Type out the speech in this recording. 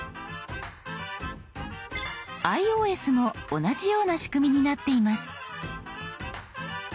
ｉＯＳも同じような仕組みになっています。